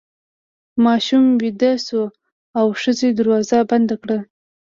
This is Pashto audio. ماشوم ویده شو او ښځې دروازه بنده کړه.